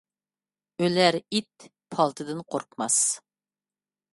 ئۆلەر ئىت پالتىدىن قورقماس.